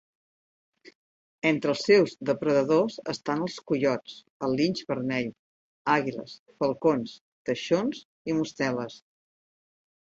Entre els seus depredadors estan els coiots, el linx vermell, àguiles, falcons, teixons i mosteles.